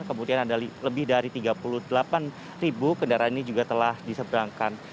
kemudian ada lebih dari tiga puluh delapan ribu kendaraan ini juga telah diseberangkan